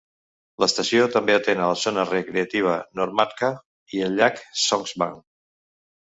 L'estació també atén a la zona recreativa Nordmarka i al llac Songsvann.